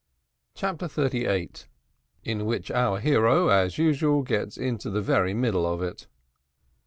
CHAPTER THIRTY EIGHT. IN WHICH OUR HERO, AS USUAL, GETS INTO THE VERY MIDDLE OF IT.